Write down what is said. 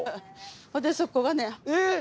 でそこがね。